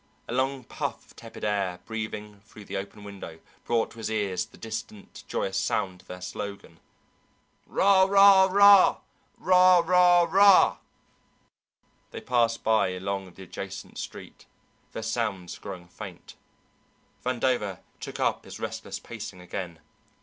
A long puff of tepid air breathing through the open window brought to his ears the distant joyous sound of their slogan: "Rah, rah, rah! Rah, rah, rah!" They passed by along the adjacent street, their sounds growing faint. Vandover took up his restless pacing again.